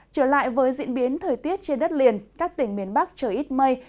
trở lại với diễn biến thời tiết trên đất liền các tỉnh miền bắc trời ít mây